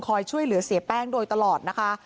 ช่วยเหลือเสียแป้งโดยตลอดนะคะ